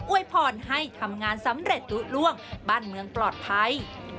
วยพรให้ทำงานสำเร็จลุล่วงบ้านเมืองปลอดภัย